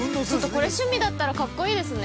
◆これ趣味だったら、格好いいですね。